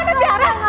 lo boleh pergi